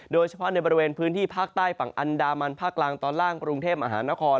โดยเฉพาะในบริเวณพื้นที่ภาคใต้ฝั่งอันดามันภาคกลางตอนล่างกรุงเทพมหานคร